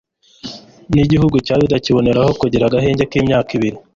n'igihugu cya yuda kiboneraho kugira agahenge k'imyaka ibiri